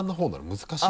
難しい？